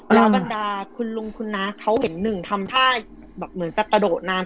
แล้วบรรดาคุณลุงคุณน้าเขาเห็นหนึ่งทำท่าแบบเหมือนจะกระโดดน้ำ